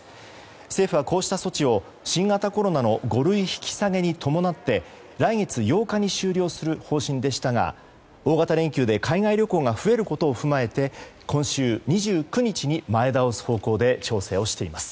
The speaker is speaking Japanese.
政府はこうした措置を新型コロナの５類引き下げに伴って来月８日に終了する方針でしたが大型連休で海外旅行が増えることを踏まえて今週２９日に前倒す方向で調整をしています。